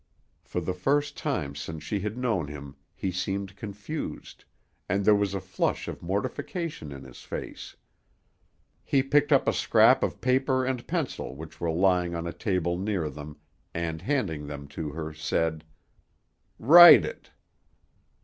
For the first time since she had known him he seemed confused, and there was a flush of mortification in his face. He picked up a scrap of paper and pencil which were lying on a table near them, and handing them to her, said, "Write it."